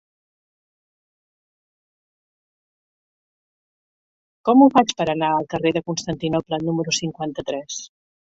Com ho faig per anar al carrer de Constantinoble número cinquanta-tres?